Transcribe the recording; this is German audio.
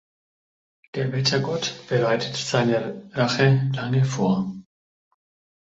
Der Wettergott bereitet seine Rache lange vor.